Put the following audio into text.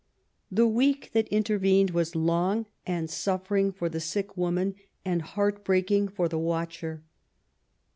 The week that intervened was long and suflPering for the sick woman, and heart breaking for the watcher.